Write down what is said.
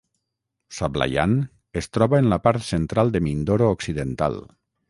Sablayan es troba en la part central de Mindoro Occidental.